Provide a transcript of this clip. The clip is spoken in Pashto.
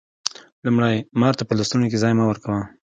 لومړی: مار ته په لستوڼي کی ځای مه ورکوه